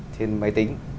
trên máy tính